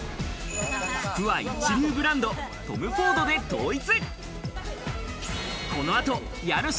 服は一流ブランド、トム・フォードで統一。